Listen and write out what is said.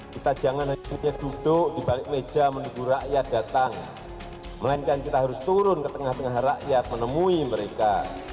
kita jangan hanya duduk di balik meja menunggu rakyat datang melainkan kita harus turun ke tengah tengah rakyat menemui mereka